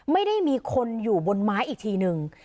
ไม่ได้มีคนอยู่บนไม้อีกทีนึง